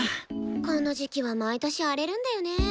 この時期は毎年荒れるんだよね。